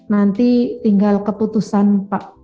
nanti tinggal keputusan pak